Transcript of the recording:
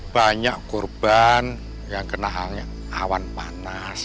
banyak korban yang kena halnya awan panas